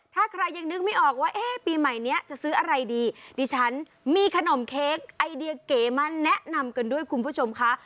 ถ้าใครยังนึกไม่ออกว่าเอ๊ะปีใหม่นี้จะซื้ออะไรดีดิฉันมีขนมเค้กไอเดียเก๋มาแนะนำกันด้วยคุณผู้ชมค่ะ